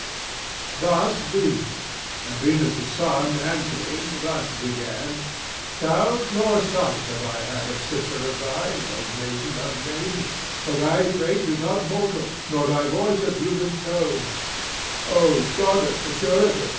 Thus Venus, and Venus' son answering thus began: 'Sound nor sight have I had of sister of thine, O maiden unnamed; for thy face is not mortal, nor thy voice of human tone; O goddess assuredly!